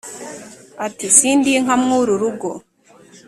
ati sindi inka mw'uru rugo